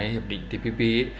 hợp định tpp